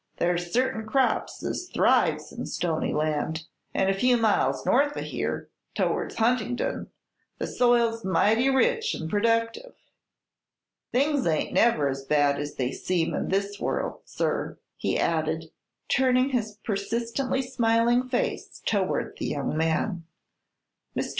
"There's certain crops as thrives in stony land, an' a few miles north o' here, towards Huntingdon, the soil's mighty rich 'n' productive. Things ain't never as bad as they seem in this world, sir," he added, turning his persistently smiling face toward the young man. Mr.